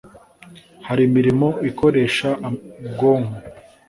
Hari imirimo ikoresha ubwonko